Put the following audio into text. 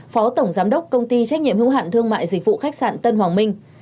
phó tổng giám đốc công ty trách nhiệm hữu hạn thương mại dịch vụ khách sạn tân hoàng minh